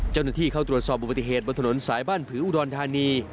เจ้าหน้าที่เข้าตรวจสอบอุบัติเหตุบนถนนสายบ้านผืออุดรธานี